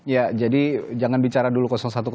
ya jadi jangan bicara dulu satu